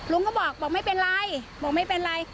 ลุงก็บอกบอกไม่เป็นไรบอกไม่เป็นไร